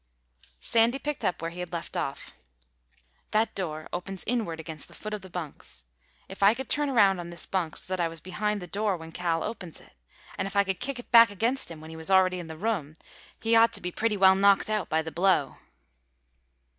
Sandy picked up where he had left off. "That door opens inward against the foot of the bunks. If I could turn around on this bunk so that I was behind the door when Cal opens it, and if I could kick it back against him when he was already in the room, he ought to be pretty well knocked out by the blow."